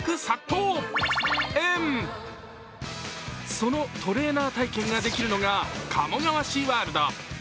そのトレーナー体験ができるのが、鴨川シーワールド。